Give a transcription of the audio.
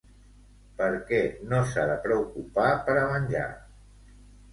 Per què no s'ha de preocupar per a menjar?